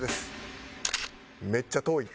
めっちゃ遠い。